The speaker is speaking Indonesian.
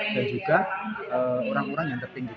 dan juga orang orang yang tertinggi